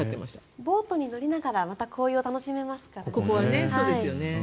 ボートに乗りながら紅葉を楽しめますからね。